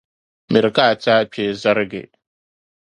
Miri ka a ti a kpee zalige.